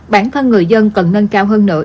bản thân người dân cần nâng cao hơn nữa